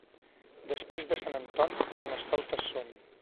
Després de Sant Anton, Carnestoltes són.